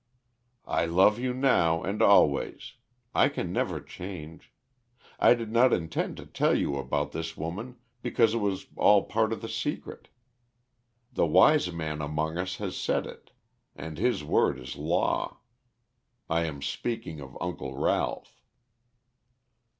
"I love you now and always. I can never change. I did not intend to tell you about this woman because it was all part of the secret. The wise man among us has said it, and his word is law. I am speaking of Uncle Ralph."